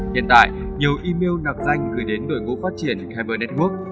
hiện tại nhiều email nạp danh gửi đến đội ngũ phát triển kyber network